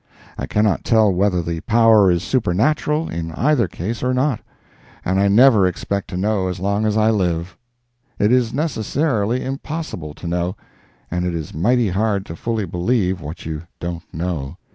I cannot tell whether the power is supernatural in either case or not, and I never expect to know as long as I live. It is necessarily impossible to know—and it is mighty hard to fully believe what you don't know.